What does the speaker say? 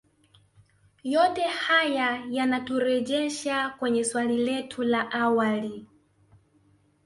Yote haya yanaturejesha kwenye swali letu la awali